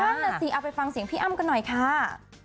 นั่นน่ะสิเอาไปฟังเสียงพี่อ้ำกันหน่อยค่ะ